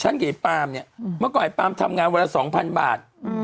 ฉันกับไอ้ปาล์มเนี่ยเมื่อก่อนไอ้ปาล์มทำงานวันละสองพันบาท